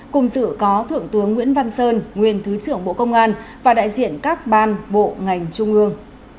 cùng dự có thượng tướng nguyễn văn sơn nguyên thứ trưởng bộ công an và đại diện các ban bộ ngành trung ương